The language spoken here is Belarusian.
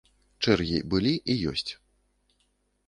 Чэргі былі і ёсць.